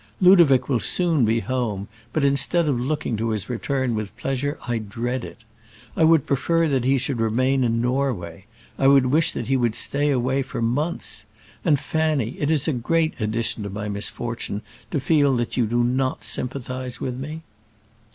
Ludovic will soon be home, but instead of looking to his return with pleasure I dread it. I would prefer that he should remain in Norway. I would wish that he should stay away for months. And, Fanny, it is a great addition to my misfortune to feel that you do not sympathize with me."